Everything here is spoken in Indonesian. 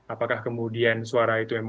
apakah kemudian suara itu emosi